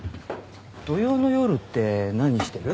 土曜の夜って何してる？